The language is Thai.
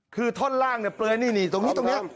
คือท่อนล่างเนี่ยเปลื้อนี่ตรงนี้